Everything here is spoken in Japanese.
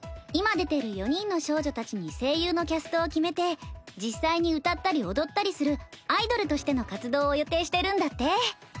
今出てる４人の少女たちに声優のキャストを決めて実際に歌ったり踊ったりするアイドルとしての活動を予定してるんだって。